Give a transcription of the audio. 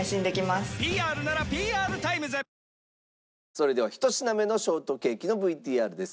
それでは１品目のショートケーキのＶＴＲです。